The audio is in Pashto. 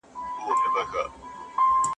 ظلم په اسلام کي ځای نه لري.